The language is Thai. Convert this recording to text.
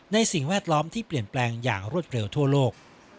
สิ่งแวดล้อมที่เปลี่ยนแปลงอย่างรวดเร็วทั่วโลก